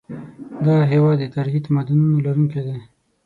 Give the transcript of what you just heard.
دغه هېواد د تاریخي تمدنونو لرونکی دی.